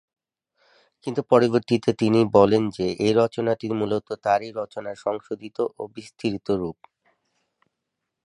কিন্তু পরবর্তীতে তিনি বলেন যে এই রচনাটি মূলত তারই রচনার সংশোধিত ও বিস্তৃত রূপ।